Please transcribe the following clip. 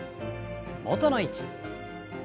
元の位置。